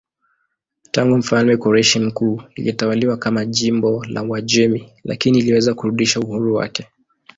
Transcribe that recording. Tangu mfalme Koreshi Mkuu ilitawaliwa kama jimbo la Uajemi lakini iliweza kurudisha uhuru wake.